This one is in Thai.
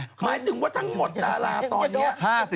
หมายถึงว่าทั้งหมดดาราตอนนี้